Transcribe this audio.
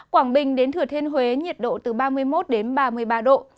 quảng bình đến thừa thiên huế nhiệt độ từ ba mươi một đến ba mươi ba độ